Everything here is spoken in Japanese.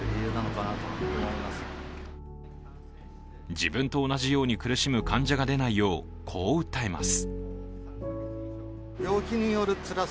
自分と同じように苦しむ患者が出ないよう、こう訴えます。